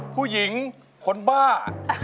ผู้หญิงคนบ้า